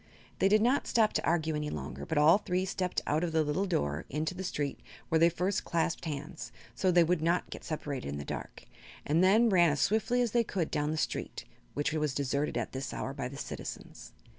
They did not stop to argue any longer, but all three stepped out of the little door into the street, where they first clasped hands, so they would not get separated in the dark, and then ran as swiftly as they could down the street, which was deserted at this hour by the citizens.